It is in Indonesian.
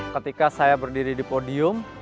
ketika saya berdiri di podium